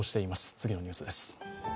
次のニュースです。